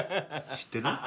知ってる？